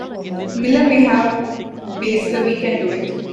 Miller may have based the We Can Do It!